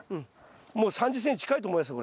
もう３０ｃｍ近いと思いますよ